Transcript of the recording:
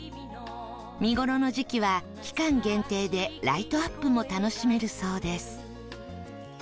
見頃の時期は期間限定でライトアップも楽しめるそうです